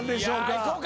いこうか。